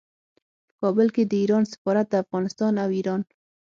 په کابل کې د ایران سفارت د افغانستان او ایران